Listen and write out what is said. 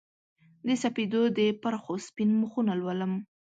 د سپیدو د پرخو سپین مخونه لولم